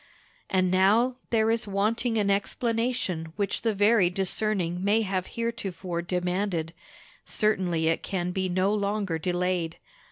And now there is wanting an explanation which the very discerning may have heretofore demanded; certainly it can be no longer delayed.